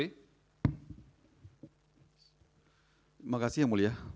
terima kasih yang mulia